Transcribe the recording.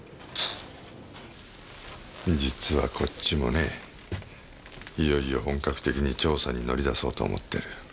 実はこっちもいよいよ本格的に調査に乗り出そうと思っている。